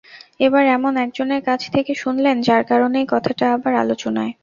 এবার এমন একজনের কাছ থেকে শুনলেন, যাঁর কারণেই কথাটা আবার আলোচনায়।